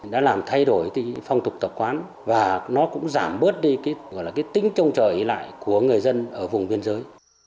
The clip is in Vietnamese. đã làm thay đổi phong tục tập quán và nó cũng giảm bớt đi tính trông trời lại của người dân ở vùng biên giới